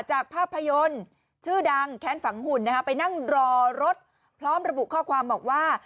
จากภาพยนตร์ชื่อดังแค้นฝังหุ่นไปนั่งรอรถพร้อมระบุข้อความบอกว่า